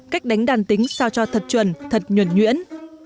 cách đánh đàn tính sao cho thật chuẩn thật nhuẩn nhuyễn